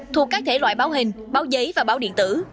thuộc các thể loại báo hình báo giấy và báo điện tử